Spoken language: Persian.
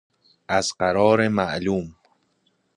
ازقرار معلوم